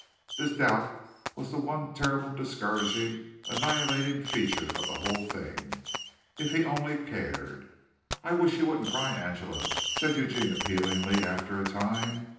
This doubt was the one terrible, discouraging, annihilating feature of the whole thing if he only cared. "I wish you wouldn't cry, Angela," said Eugene appealingly, after a time.